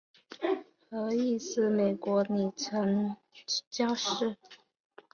何义思美国女传教士。